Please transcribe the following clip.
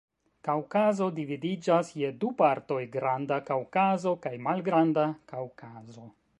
Kaŭkazo dividiĝas je du partoj: Granda Kaŭkazo kaj Malgranda Kaŭkazo.